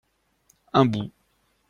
Un bout.